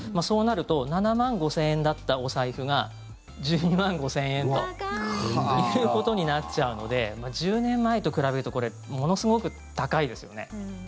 そうなると７万５０００円だったお財布が１２万５０００円ということになっちゃうので１０年前と比べるとこれ、ものすごく高いですよね。